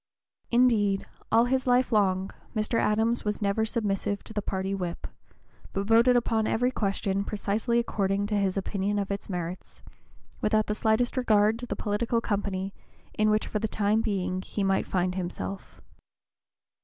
Indeed, all his life long Mr. Adams was never submissive to the party whip, but voted upon every question precisely according to his opinion of its merits, without the slightest regard to the political company in which for the time being he might find himself.